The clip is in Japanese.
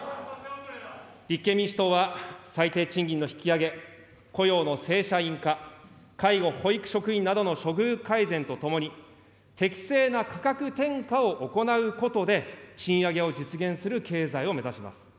立憲民主党は最低賃金の引き上げ、雇用の正社員化、介護、保育職員などの処遇改善とともに、適正な価格転嫁を行うことで、賃上げを実現する経済を目指します。